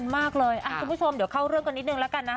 ไม่ได้เกี่ยวกับเขาละช่วยไม่ได้